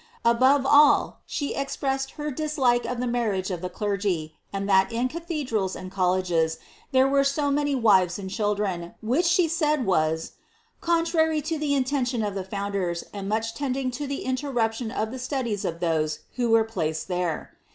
Above til, she expressed her dislike of the marriage of the clergy, and that in cathedrals and colleges there were so many wives and children, which she said, was *^ contrary to the intention of the founders, and mucli lending to the interruption of the studies of those who were placed there."